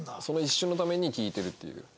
その一瞬のために聞いてるっていう。